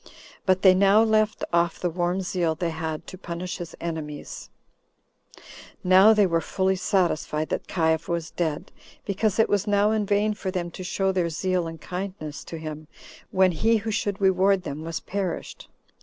But they now left off the warm zeal they had to punish his enemies, now they were fully satisfied that Caius was dead, because it was now in vain for them to show their zeal and kindness to him, when he who should reward them was perished.